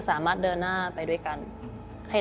อเรนนี่แล้วอเรนนี่แล้วอเรนนี่แล้ว